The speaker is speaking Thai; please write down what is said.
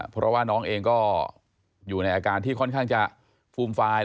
เพราะว่าน้องเองก็อยู่ในอาการที่ค่อนข้างจะฟูมฟาย